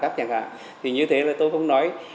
đáp chẳng hạn thì như thế là tôi không nói